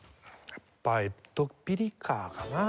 やっぱ『エトピリカ』かなと。